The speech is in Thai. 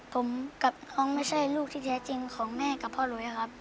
ผมกับน้องไม่ใช่ลูกที่แท้จริงของแม่กับพ่อลุยครับ